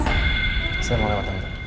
saya mau lewat tante